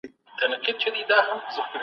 روښانه فکر خوښي نه ځنډوي.